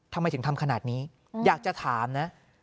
ทำไมถึงทำขนาดนี้อยากจะถามนะ